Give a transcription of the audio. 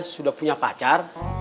sudah punya pacar